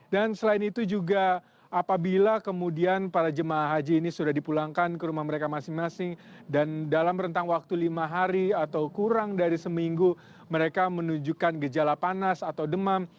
dan selain itu juga apabila kemudian para jemaah haji ini sudah dipulangkan ke rumah mereka masing masing dan dalam rentang waktu lima hari atau kurang dari seminggu mereka menunjukkan gejala panas atau demam